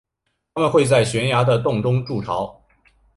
它们会在悬崖的洞中筑巢。